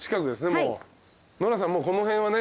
もうこの辺はね。